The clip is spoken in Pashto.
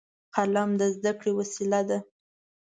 قلم د زده کړې وسیله ده